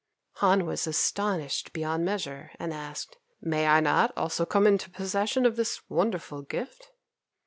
Han was astonished beyond measure, and asked, "May I not also come into possession of this wonderful gift?"